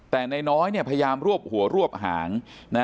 แต่นายน้อยพยายามรวบหัวรวบหาง